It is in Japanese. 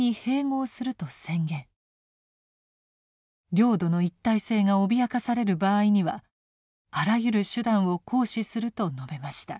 領土の一体性が脅かされる場合にはあらゆる手段を行使すると述べました。